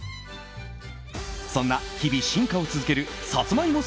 そんな日々、進化を続けるサツマイモ